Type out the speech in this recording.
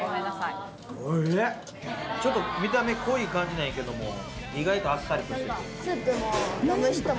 ちょっと見た目濃い感じなんやけども意外とあっさりとしてて。